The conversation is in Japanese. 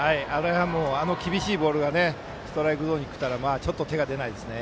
あの厳しいボールがストライクゾーンにきたら手が出ないですね。